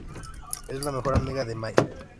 Es la mejor amiga de "Mai".